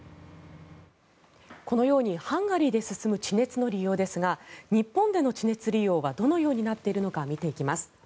このようにハンガリーで進む地熱の利用ですが日本での地熱利用はどのようになっているのか見ていきます。